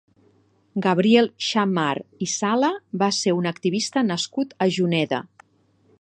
Gabriel Xammar i Sala va ser un activista nascut a Juneda.